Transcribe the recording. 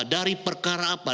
dari perkara apa